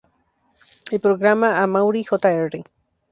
El Programa Amaury Jr.